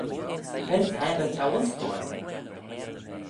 Cre'n pabyr t'ou uss goaill?